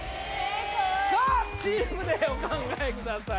さあチームでお考えください